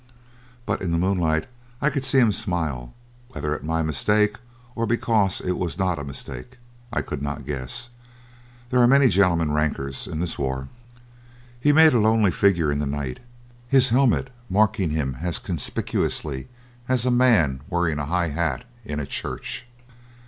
But in the moonlight I could see him smile, whether at my mistake or because it was not a mistake I could not guess. There are many gentlemen rankers in this war. He made a lonely figure in the night, his helmet marking him as conspicuously as a man wearing a high hat in a church.